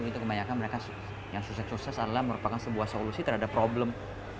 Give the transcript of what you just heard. itu kebanyakan mereka yang sukses sukses adalah merupakan sebuah solusi terhadap problem